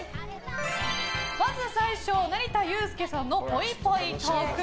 まず最初成田悠輔さんのぽいぽいトーク。